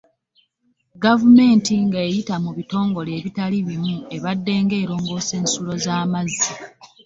Gavumenti nga eyita mu bitongole ebitali bimu ebadde nga erongoosa ensulo z'amazzi.